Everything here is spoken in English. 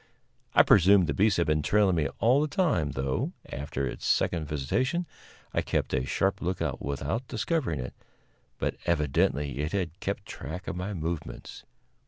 I presume the beast had been trailing me all the time, though, after its second visitation, I kept a sharp lookout without discovering it, but evidently it had kept track of my movements.